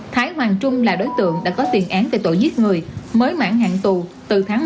thái hoàng trung là đối tượng đã có tiền án về tội giết người mới mãn hạn tù từ tháng một năm hai nghìn hai mươi một